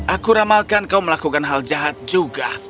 aku ramalkan kau melakukan hal jahat juga